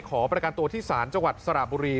ขอประกันตัวที่ศาลจังหวัดสระบุรี